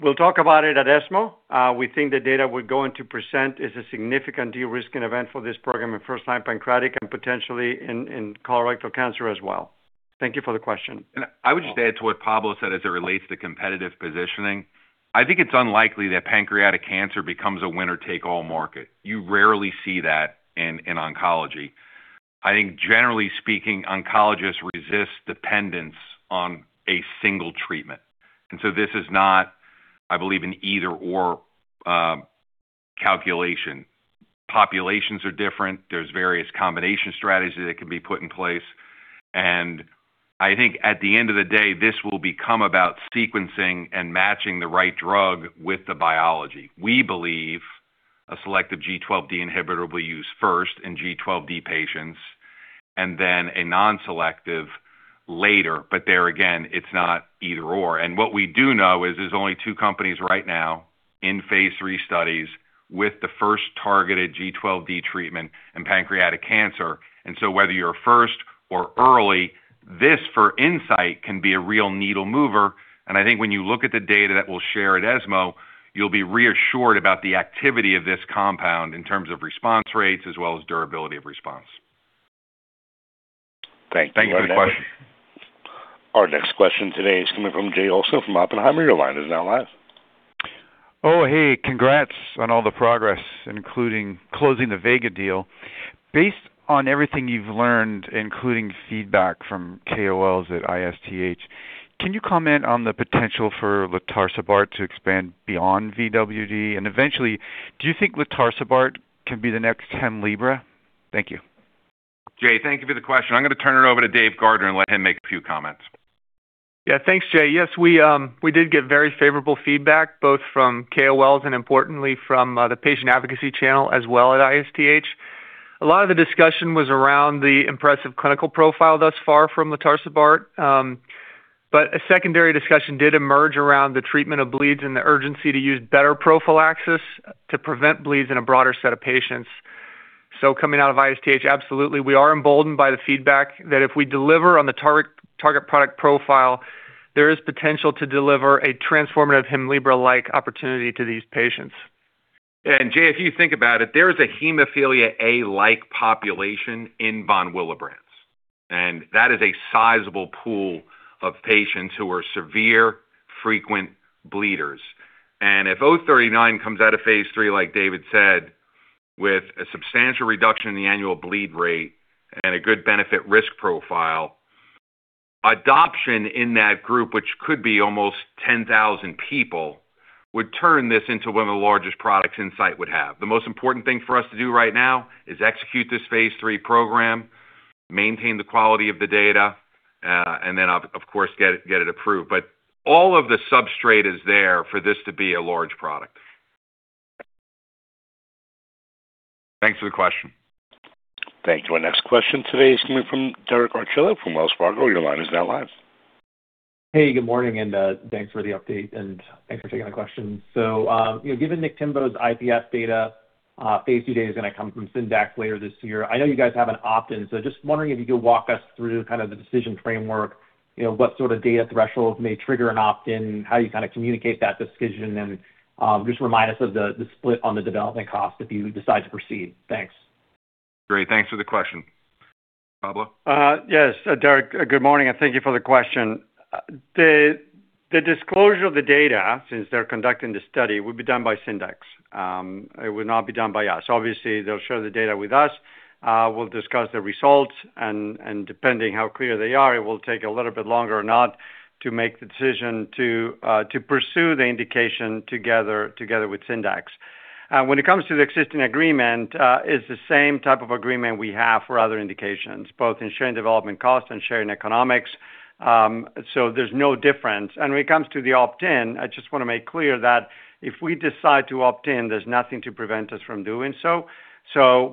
We'll talk about it at ESMO. We think the data we're going to present is a significant de-risking event for this program in first-line pancreatic and potentially in colorectal cancer as well. Thank you for the question. I would just add to what Pablo said as it relates to competitive positioning. I think it's unlikely that pancreatic cancer becomes a winner-take-all market. You rarely see that in oncology. I think generally speaking, oncologists resist dependence on a single treatment. This is not, I believe, an either/or calculation. Populations are different. There's various combination strategies that can be put in place. I think at the end of the day, this will become about sequencing and matching the right drug with the biology. We believe a selective G12D inhibitor will be used first in G12D patients and then a non-selective later, but there again, it's not either/or. What we do know is there's only two companies right now in phase III studies with the first targeted G12D treatment in pancreatic cancer. Whether you're first or early, this for Incyte can be a real needle mover. I think when you look at the data that we'll share at ESMO, you'll be reassured about the activity of this compound in terms of response rates as well as durability of response. Thank you. Thank you for the question. Our next question today is coming from Jay Olson from Oppenheimer. Your line is now live. Oh, hey. Congrats on all the progress, including closing the Vega deal. Based on everything you've learned, including feedback from KOLs at ISTH, can you comment on the potential for latarcibart to expand beyond VWD? Eventually, do you think latarcibart can be the next Hemlibra? Thank you. Jay, thank you for the question. I'm going to turn it over to Dave Gardner and let him make a few comments. Yeah. Thanks, Jay. Yes, we did get very favorable feedback, both from KOLs and importantly from the patient advocacy channel as well at ISTH. A lot of the discussion was around the impressive clinical profile thus far from latarcibart, but a secondary discussion did emerge around the treatment of bleeds and the urgency to use better prophylaxis to prevent bleeds in a broader set of patients. Coming out of ISTH, absolutely, we are emboldened by the feedback that if we deliver on the target product profile, there is potential to deliver a transformative Hemlibra-like opportunity to these patients. Jay, if you think about it, there is a hemophilia A-like population in von Willebrand's, that is a sizable pool of patients who are severe frequent bleeders. If 039 comes out of phase III, like David said, with a substantial reduction in the annual bleed rate and a good benefit-risk profile, adoption in that group, which could be almost 10,000 people, would turn this into one of the largest products Incyte would have. The most important thing for us to do right now is execute this phase III program, maintain the quality of the data, then of course, get it approved. All of the substrate is there for this to be a large product. Thanks for the question. Thank you. Our next question today is coming from Derek Archila from Wells Fargo. Your line is now live. Good morning, thanks for the update, thanks for taking my question. Given Niktimvo's IPF data, phase III data is going to come from Syndax later this year. I know you guys have an opt-in, just wondering if you could walk us through kind of the decision framework, what sort of data threshold may trigger an opt-in, how you communicate that decision, and just remind us of the split on the development cost if you decide to proceed. Thanks. Great. Thanks for the question. Pablo? Yes. Derek, good morning, and thank you for the question. The disclosure of the data, since they're conducting the study, will be done by Syndax. It will not be done by us. Obviously, they'll share the data with us. We'll discuss the results, and depending how clear they are, it will take a little bit longer or not to make the decision to pursue the indication together with Syndax. When it comes to the existing agreement, it's the same type of agreement we have for other indications, both in sharing development cost and sharing economics, so there's no difference. When it comes to the opt-in, I just want to make clear that if we decide to opt-in, there's nothing to prevent us from doing so.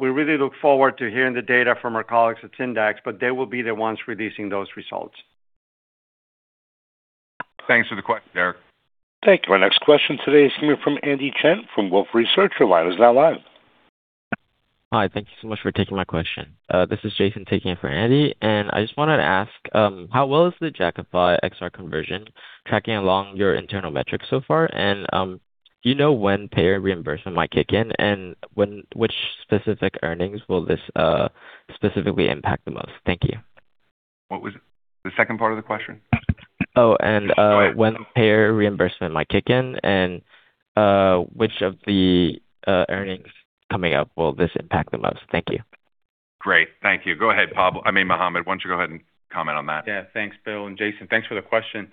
We really look forward to hearing the data from our colleagues at Syndax, but they will be the ones releasing those results. Thanks for the question, Derek. Thank you. Our next question today is coming from Andy Chen from Wolfe Research. Your line is now live. Hi. Thank you so much for taking my question. This is Jason taking it for Andy, I just wanted to ask, how well is the Jakafi XR conversion tracking along your internal metrics so far? Do you know when payer reimbursement might kick in, which specific earnings will this specifically impact the most? Thank you. What was the second part of the question? Oh. Go ahead. When payer reimbursement might kick in and which of the earnings coming up will this impact the most? Thank you. Great. Thank you. Go ahead, Pablo. I mean, Mohamed, why don't you go ahead and comment on that? Yeah. Thanks, Bill, and Jason, thanks for the question.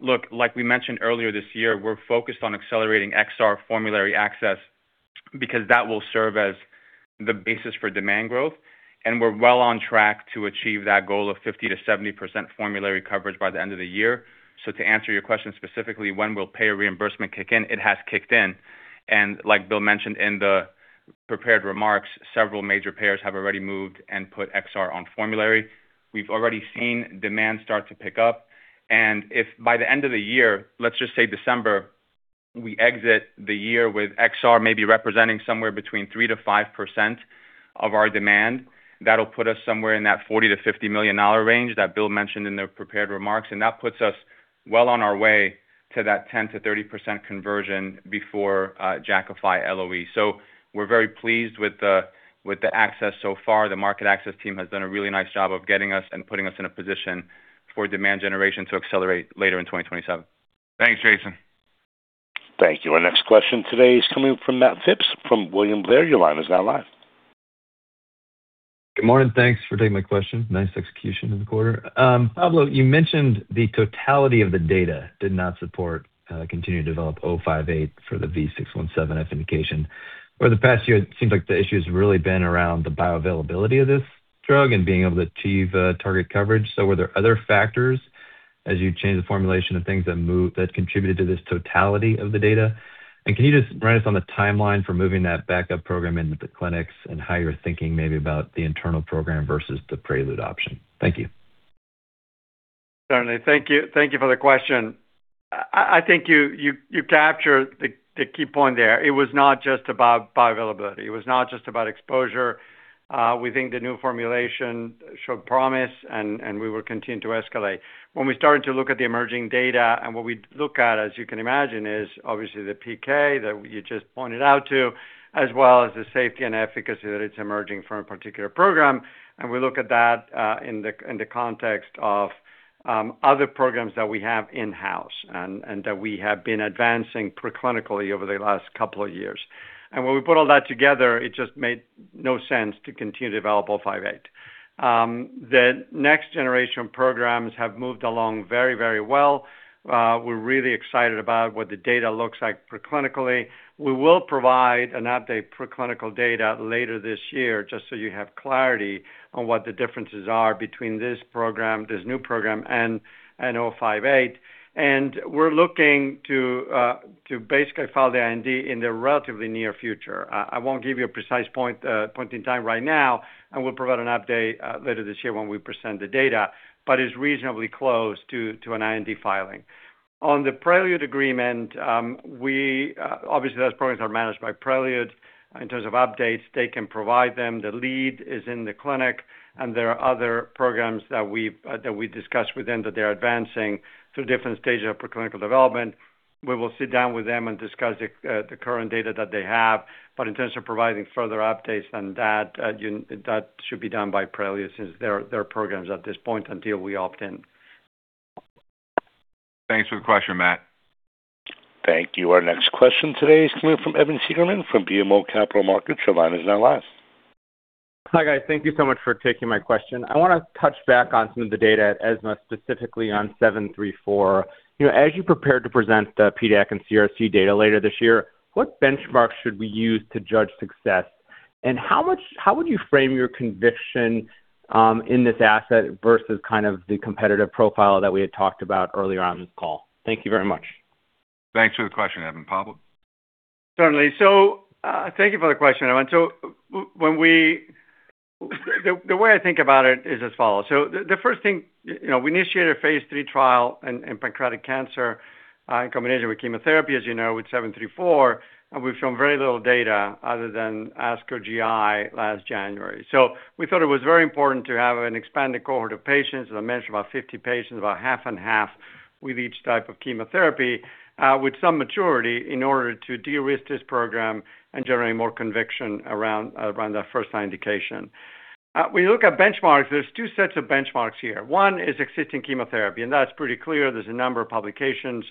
Look, like we mentioned earlier this year, we're focused on accelerating XR formulary access because that will serve as the basis for demand growth, and we're well on track to achieve that goal of 50%-70% formulary coverage by the end of the year. To answer your question specifically, when will payer reimbursement kick in? It has kicked in, and like Bill mentioned in the prepared remarks, several major payers have already moved and put XR on formulary. We've already seen demand start to pick up, and if by the end of the year, let's just say December, we exit the year with XR maybe representing somewhere between 3%-5% of our demand. That'll put us somewhere in that $40 million-$50 million range that Bill mentioned in the prepared remarks. That puts us well on our way to that 10%-30% conversion before Jakafi LOE. We're very pleased with the access so far. The market access team has done a really nice job of getting us and putting us in a position for demand generation to accelerate later in 2027. Thanks, Jason. Thank you. Our next question today is coming from Matt Phipps from William Blair. Your line is now live. Good morning. Thanks for taking my question. Nice execution in the quarter. Pablo, you mentioned the totality of the data did not support continued development 058 for the JAK2 V617F indication. Were there other factors as you changed the formulation of things that contributed to this totality of the data? Can you just run us on the timeline for moving that backup program into the clinics and how you're thinking maybe about the internal program versus the Prelude option? Thank you. Certainly. Thank you for the question. I think you captured the key point there. It was not just about bioavailability. It was not just about exposure. We think the new formulation showed promise, we will continue to escalate. When we started to look at the emerging data, what we look at, as you can imagine, is obviously the PK that you just pointed out to, as well as the safety and efficacy that it's emerging from a particular program. We look at that in the context of other programs that we have in-house and that we have been advancing pre-clinically over the last couple of years. When we put all that together, it just made no sense to continue to develop 058. The next generation programs have moved along very, very well. We're really excited about what the data looks like pre-clinically. We will provide an update pre-clinical data later this year, just so you have clarity on what the differences are between this program, this new program, and 058. We're looking to basically file the IND in the relatively near future. I won't give you a precise point in time right now, we'll provide an update later this year when we present the data, but it's reasonably close to an IND filing. On the Prelude agreement, obviously, those programs are managed by Prelude. In terms of updates, they can provide them. The lead is in the clinic, there are other programs that we discussed with them that they are advancing through different stages of pre-clinical development. We will sit down with them and discuss the current data that they have in terms of providing further updates on that should be done by Prelude since they're programs at this point until we opt-in. Thanks for the question, Matt. Thank you. Our next question today is coming from Evan Seigerman from BMO Capital Markets. Your line is now live. Hi, guys. Thank you so much for taking my question. I want to touch back on some of the data at ESMO, specifically on INCB161734. As you prepare to present the PDAC and CRC data later this year, what benchmarks should we use to judge success, and how would you frame your conviction in this asset versus the competitive profile that we had talked about earlier on this call? Thank you very much. Thanks for the question, Evan. Pablo? Certainly. Thank you for the question, Evan. The way I think about it is as follows. The first thing, we initiated a phase III trial in pancreatic cancer in combination with chemotherapy, as you know, with INCB161734, and we've shown very little data other than ASCO GI last January. We thought it was very important to have an expanded cohort of patients, as I mentioned, about 50 patients, about half and half with each type of chemotherapy, with some maturity in order to de-risk this program and generate more conviction around that first-line indication. We look at benchmarks, there's two sets of benchmarks here. One is existing chemotherapy, and that's pretty clear. There's a number of publications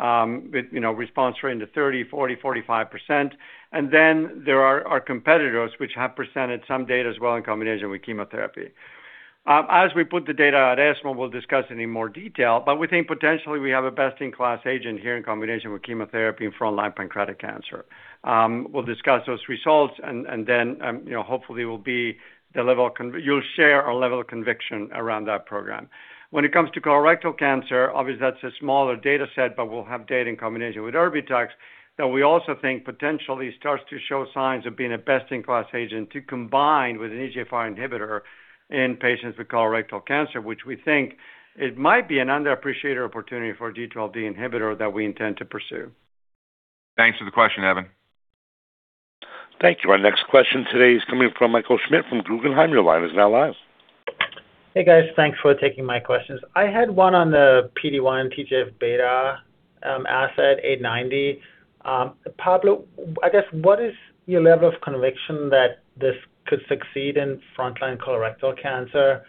with response rate in the 30%, 40%, 45%. There are our competitors, which have presented some data as well in combination with chemotherapy. As we put the data at ESMO, we'll discuss it in more detail, We think potentially we have a best-in-class agent here in combination with chemotherapy in front-line pancreatic cancer. We'll discuss those results and hopefully you'll share our level of conviction around that program. When it comes to colorectal cancer, obviously, that's a smaller data set, we'll have data in combination with Erbitux that we also think potentially starts to show signs of being a best-in-class agent to combine with an EGFR inhibitor in patients with colorectal cancer, which we think it might be an underappreciated opportunity for a G12D inhibitor that we intend to pursue. Thanks for the question, Evan. Thank you. Our next question today is coming from Michael Schmidt from Guggenheim. Your line is now live. Hey, guys. Thanks for taking my questions. I had one on the PD-1 TGF-β asset 890. Pablo, I guess, what is your level of conviction that this could succeed in frontline colorectal cancer?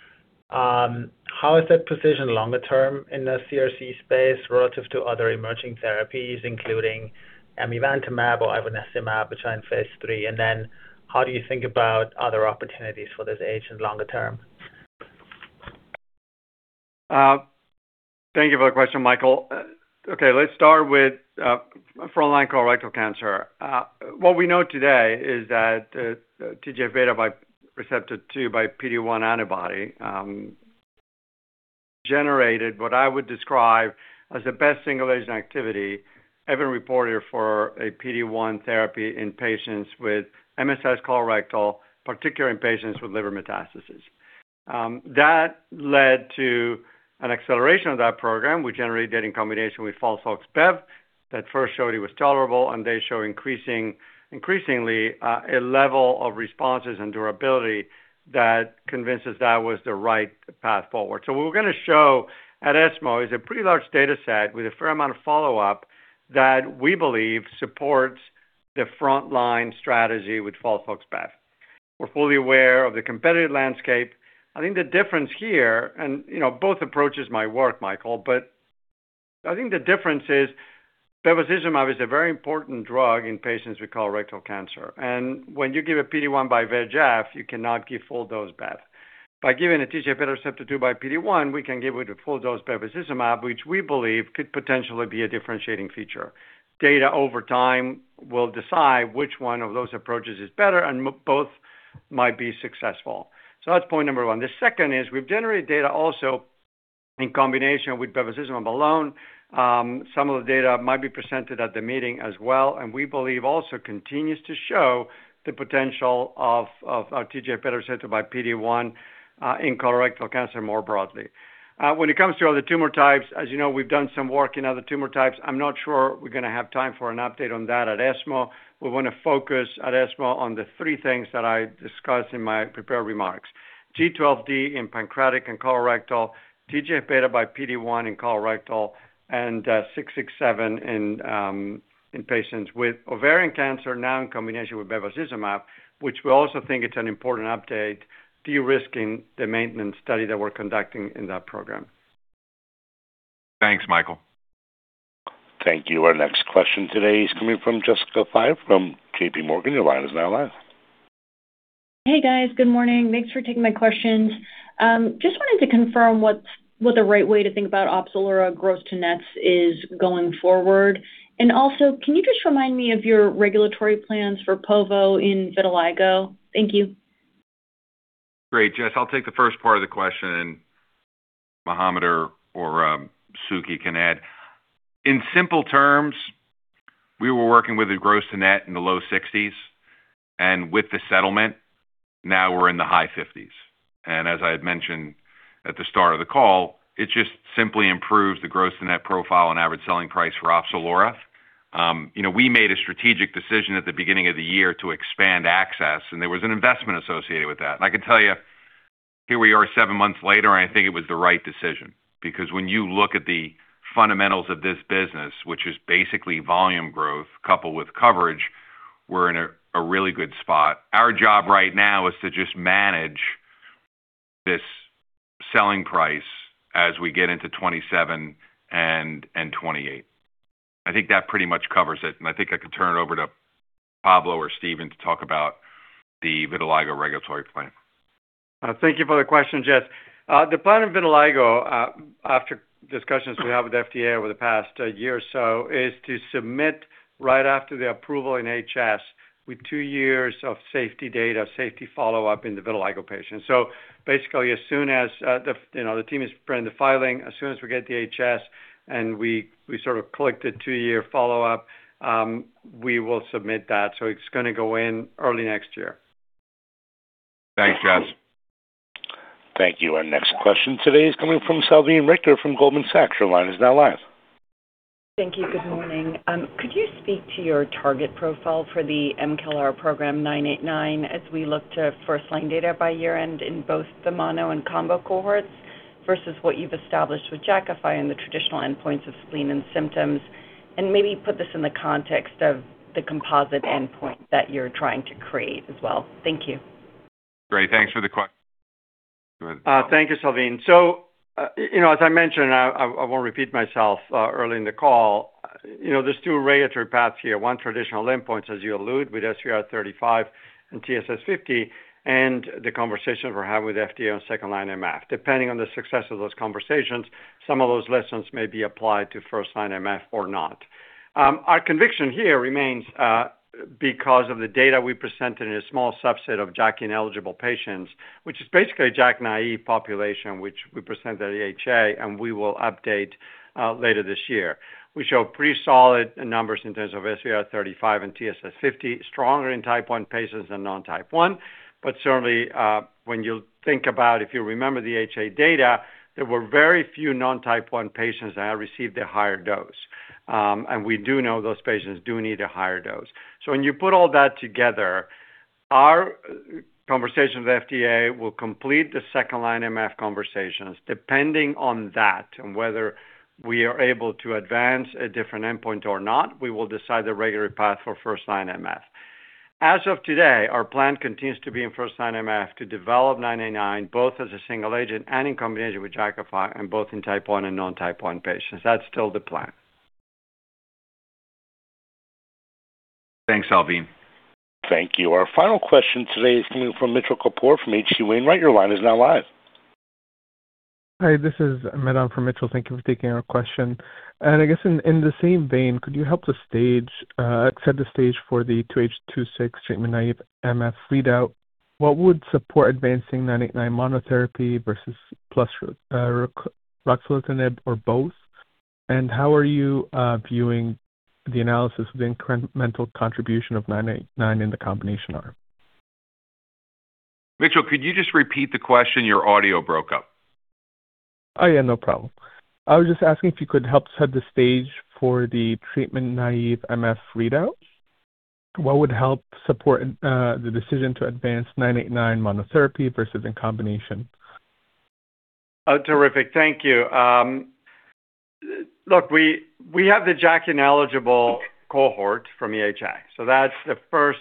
How is that positioned longer term in the CRC space relative to other emerging therapies, including amivantamab or ivonescimab, which are in phase III? Then how do you think about other opportunities for this agent longer term? Thank you for the question, Michael. Okay, let's start with frontline colorectal cancer. What we know today is that TGFβR2 by PD-1 antibody generated what I would describe as the best single-agent activity ever reported for a PD-1 therapy in patients with MSI colorectal, particularly in patients with liver metastasis. That led to an acceleration of that program. We generated data in combination with FOLFOX/bev that first showed it was tolerable and they show increasingly a level of responses and durability that convinced us that was the right path forward. What we're going to show at ESMO is a pretty large data set with a fair amount of follow-up that we believe supports the frontline strategy with FOLFOX/bev. We're fully aware of the competitive landscape. I think the difference here, both approaches might work, Michael, I think the difference is bevacizumab is a very important drug in patients with colorectal cancer. When you give a PD-1 by VEGF, you cannot give full dose bev. By giving a TGFβR2 by PD-1, we can give the full dose bevacizumab, which we believe could potentially be a differentiating feature. Data over time will decide which one of those approaches is better, and both might be successful. That's point numbe one. The second is we've generated data also in combination with bevacizumab alone. Some of the data might be presented at the meeting as well, and we believe also continues to show the potential of TGF-beta receptor by PD-1 in colorectal cancer more broadly. When it comes to other tumor types, as you know, we've done some work in other tumor types. I'm not sure we're going to have time for an update on that at ESMO. We want to focus at ESMO on the three things that I discussed in my prepared remarks. G12D in pancreatic and colorectal, TGF-β by PD-1 in colorectal, and INCB123667 in patients with ovarian cancer now in combination with bevacizumab, which we also think it's an important update de-risking the maintenance study that we're conducting in that program. Thanks, Michael. Thank you. Our next question today is coming from Jessica Fye from JPMorgan. Your line is now live. Hey, guys. Good morning. Thanks for taking my questions. Just wanted to confirm what the right way to think about Opzelura gross to nets is going forward. Also, can you just remind me of your regulatory plans for povorcitinib in vitiligo? Thank you. Great, Jess. I'll take the first part of the question and Mohamed or Suky can add. In simple terms, we were working with a gross to net in the low 60s. With the settlement, now we're in the high 50s. As I had mentioned at the start of the call, it just simply improves the gross to net profile and average selling price for Opzelura. We made a strategic decision at the beginning of the year to expand access. There was an investment associated with that. I can tell you, here we are seven months later, I think it was the right decision because when you look at the fundamentals of this business, which is basically volume growth coupled with coverage, we're in a really good spot. Our job right now is to just manage this selling price as we get into 2027 and 2028. I think that pretty much covers it, I think I can turn it over to Pablo or Steven to talk about the vitiligo regulatory plan. Thank you for the question, Jess. The plan in vitiligo, after discussions we had with FDA over the past year or so, is to submit right after the approval in HS with two years of safety data, safety follow-up in the vitiligo patients. Basically, the team is preparing the filing. As soon as we get the HS and we sort of collect the two-year follow-up, we will submit that. It's going to go in early next year. Thanks, Jess. Thank you. Our next question today is coming from Salveen Richter from Goldman Sachs. Your line is now live. Thank you. Good morning. Could you speak to your target profile for the mutCALR program-INCA033989 as we look to first-line data by year-end in both the mono and combo cohorts, versus what you've established with Jakafi and the traditional endpoints of spleen and symptoms? Maybe put this in the context of the composite endpoint that you're trying to create as well. Thank you. Great. Thanks for the question. Thank you, Salveen. As I mentioned, I won't repeat myself, early in the call, there's two regulatory paths here. One, traditional endpoints, as you allude, with SVR35 and TSS50, and the conversations we're having with FDA on second-line MF. Depending on the success of those conversations, some of those lessons may be applied to first-line MF or not. Our conviction here remains because of the data we presented in a small subset of JAK-ineligible patients, which is basically a JAK-naive population, which we present at EHA, and we will update later this year. We show pretty solid numbers in terms of SVR35 and TSS50, stronger in type 1 patients than non-type 1. Certainly, when you think about, if you remember the EHA data, there were very few non-type 1 patients that received a higher dose. We do know those patients do need a higher dose. When you put all that together, our conversations with FDA will complete the second-line MF conversations. Depending on that, and whether we are able to advance a different endpoint or not, we will decide the regulatory path for first-line MF. As of today, our plan continues to be in first-line MF to develop INCA033989, both as a single agent and in combination with Jakafi, and both in type 1 and non-type 1 patients. That's still the plan. Thanks, Salveen. Thank you. Our final question today is coming from Mitchell Kapoor from H.C. Wainwright. Your line is now live. Hi, this is Mirav for Mitchell. Thank you for taking our question. I guess in the same vein, could you help set the stage for the 2H 2026 treatment-naive MF readout? What would support advancing INCA033989 monotherapy versus plus ruxolitinib or both? How are you viewing the analysis of the incremental contribution of INCA033989 in the combination arm? Mitchell, could you just repeat the question? Your audio broke up. Oh, yeah, no problem. I was just asking if you could help set the stage for the treatment-naive MF readout. What would help support the decision to advance INCA033989 monotherapy versus in combination? Oh, terrific. Thank you. Look, we have the JAK-ineligible cohort from EHA. That's the first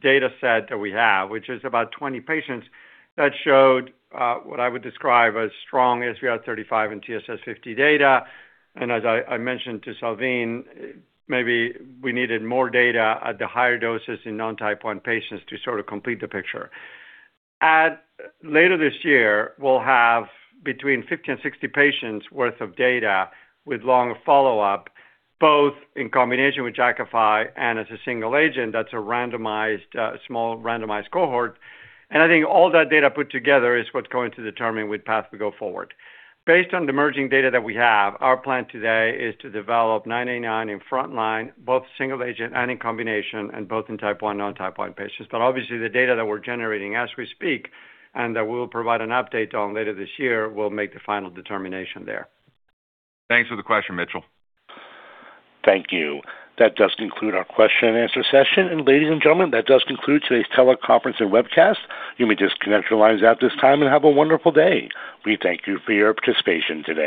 data set that we have, which is about 20 patients that showed what I would describe as strong SVR35 and TSS50 data. As I mentioned to Salveen, maybe we needed more data at the higher doses in non-type 1 patients to sort of complete the picture. Later this year, we'll have between 50 and 60 patients worth of data with long follow-up, both in combination with Jakafi and as a single agent. That's a small randomized cohort. I think all that data put together is what's going to determine which path we go forward. Based on the emerging data that we have, our plan today is to develop INCA033989 in front line, both single agent and in combination, both in type 1, non-type 1 patients. Obviously, the data that we're generating as we speak, and that we'll provide an update on later this year, will make the final determination there. Thanks for the question, Mitchell. Thank you. That does conclude our question and answer session. Ladies and gentlemen, that does conclude today's teleconference and webcast. You may disconnect your lines at this time and have a wonderful day. We thank you for your participation today.